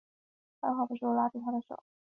二话不说拉住她的手往回走